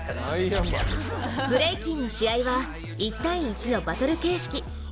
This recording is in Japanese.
ブレイキンの試合は、１対１のバトル形式。